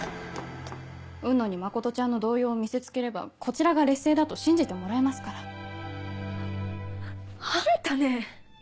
雲野に真ちゃんの動揺を見せつければこちらが劣勢だと信じてもらえますから。あんたねぇ！